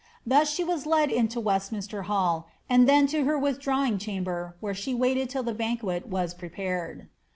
Thus she was led into West minster Hall, and then to her withdrawing chamber, where she waited till the banquet was prepared.